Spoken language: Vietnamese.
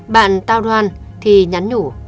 bạn tao đoan thì nhắn nhủ